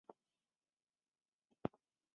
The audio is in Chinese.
后历任大司马行参军及员外散骑侍郎。